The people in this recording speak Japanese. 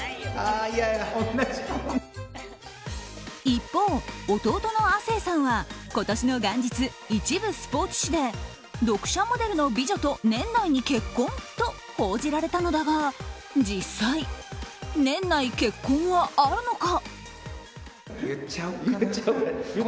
一方、弟の亜生さんは今年の元日、一部スポーツ紙で読者モデルの美女と年内に結婚？と報じられたのだが実際、年内結婚はあるのか？